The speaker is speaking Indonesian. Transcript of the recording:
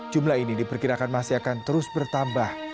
jumlah ini diperkirakan masih akan terus bertambah